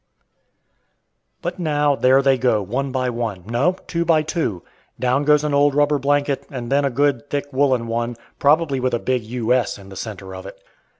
But now, there they go, one by one; no, two by two. Down goes an old rubber blanket, and then a good, thick, woolen one, probably with a big "U.S." in the centre of it.